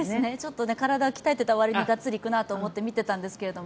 体を鍛えていた割にはガッツリいくなと見ていたんですが。